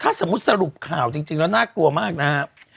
ถ้าสมมุติสรุปข่าวจริงแล้วน่ากลัวมากนะครับ